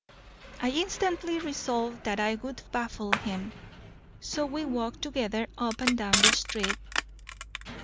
I instantly resolved that I would baffle him; so we walked together up and down the street.